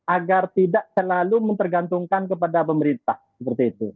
agar tidak terlalu mempergantungkan kepada pemerintah seperti itu